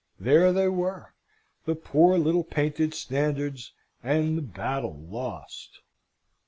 There they were; the poor little painted standards and the battle lost!